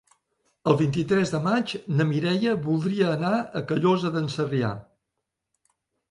El vint-i-tres de maig na Mireia voldria anar a Callosa d'en Sarrià.